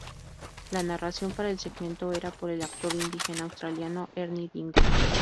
La narración para el segmento era por el actor indígena australiano Ernie Dingo.